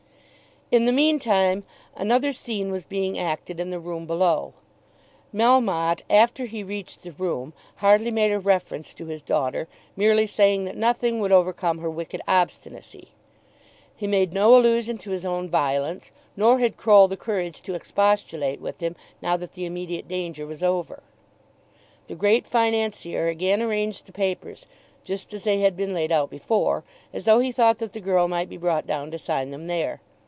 In the meantime another scene was being acted in the room below. Melmotte after he reached the room hardly made a reference to his daughter, merely saying that nothing would overcome her wicked obstinacy. He made no allusion to his own violence, nor had Croll the courage to expostulate with him now that the immediate danger was over. The Great Financier again arranged the papers, just as they had been laid out before, as though he thought that the girl might be brought down to sign them there.